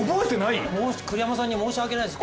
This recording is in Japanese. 栗山さんに申し訳ないです。